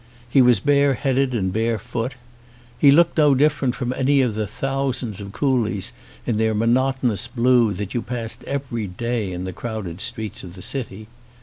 He was bare headed and bare foot. He looked no different from any of the thousands of coolies in their monotonous blue that you passed every day in the crowded streets of the city.